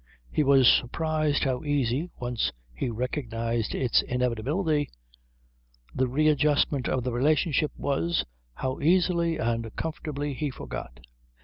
He was surprised how easy, once he recognised its inevitability, the readjustment of the relationship was, how easily and comfortably he forgot.